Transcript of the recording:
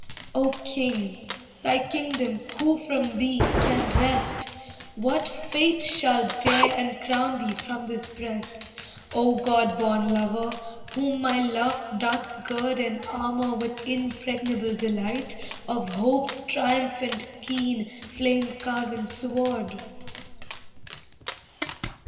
O king, thy kingdom who from thee can wrest? What fate shall dare uncrown thee from this breast, O god born lover, whom my love doth gird And armour with impregnable delight Of Hope's triumphant keen flame carven sword?